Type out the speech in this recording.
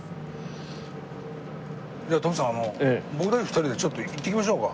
じゃあ徳さん僕たち２人でちょっと行ってきましょうか？